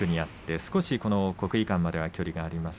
少し国技館までの距離があります。